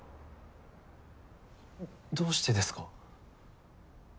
どうしてですか？